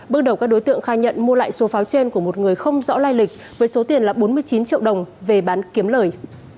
bước đầu các đối tượng khai nhận mua lại số pháo trên của một người không rõ lai lịch với số tiền là bốn mươi chín triệu đồng về bán kiếm lời